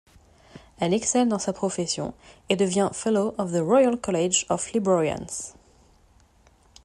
Elle excelle dans sa profession et devient fellow of the Royal College of Librarians.